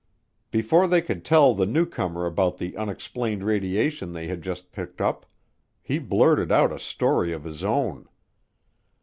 Before they could tell the newcomer about the unexplained radiation they had just picked up, he blurted out a story of his own.